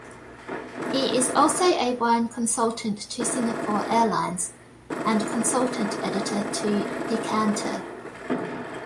He is also a wine consultant to Singapore Airlines, and consultant editor to "Decanter".